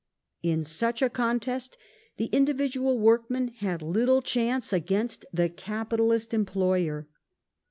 In such a contest the individual workman had little chance against the capitalist employer.